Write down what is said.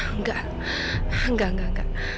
enggak enggak enggak enggak